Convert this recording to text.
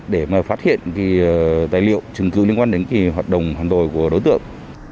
để phát hiện tài liệu chứng cứ liên quan đến hoạt động hoàn đồi của đối tượng